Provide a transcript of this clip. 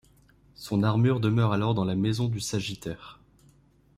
Son armure demeure alors dans la maison du Sagittaire.